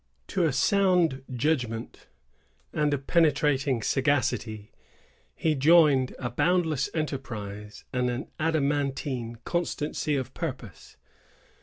To a sound judgment, and a penetrating sagacity, he joined a boundless enterprise and an adamantine constancy of purpose.